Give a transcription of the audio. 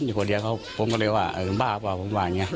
เดี๋ยวคนเดียวเขาผมก็เลยว่าเออบ้าเปล่าผมว่าอย่างเงี้ย